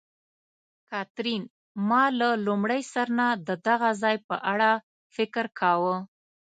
کاترین: ما له لومړي سر نه د دغه ځای په اړه فکر کاوه.